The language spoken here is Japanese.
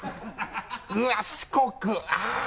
うわっ四国あっ！